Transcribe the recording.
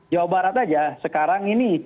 jawa barat aja sekarang ini